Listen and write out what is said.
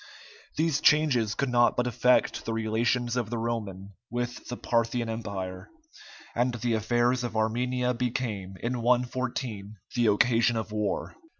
These changes could not but affect the relations of the Roman with the Parthian empire, and the affairs of Armenia became, in 114, the occasion of war.